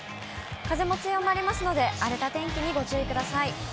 風も強まりますので、荒れた天気にご注意ください。